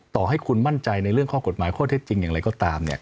ต่อให้คุณมั่นใจในเรื่องข้อกฎหมายข้อเท็จจริงอย่างไรก็ตาม